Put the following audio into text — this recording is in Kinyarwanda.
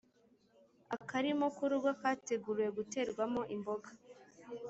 akarimo kurugo kateguriwe guterwamo imboga